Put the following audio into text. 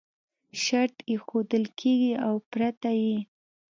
شرط ایښودل کېږي او پرته یې